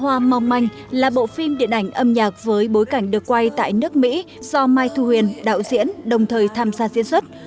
hoa mong manh là bộ phim điện ảnh âm nhạc với bối cảnh được quay tại nước mỹ do mai thu huyền đạo diễn đồng thời tham gia diễn xuất